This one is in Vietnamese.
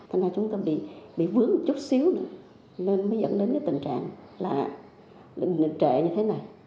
thành ra chúng tôi bị vướng một chút xíu nữa nên mới dẫn đến cái tình trạng là đình trễ như thế này